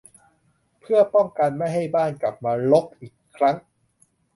เพื่อป้องกันไม่ให้บ้านกลับมารกอีกครั้ง